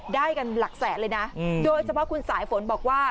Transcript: ได้กันหลักแสนเลยนะโดยเฉพาะคุณสายฝนบอกว่า